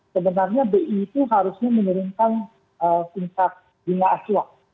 sebenarnya bi itu harusnya menurunkan pingsat hingga asyua